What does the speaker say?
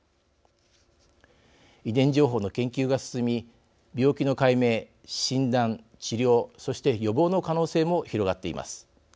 遺伝情報の研究が進み病気の解明診断治療そして予防の可能性も広がっています。